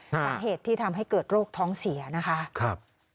สาเหตุที่ทำให้เกิดโรคท้องเสียนะคะ